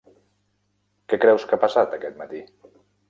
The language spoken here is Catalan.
Què creus que ha passat aquest matí?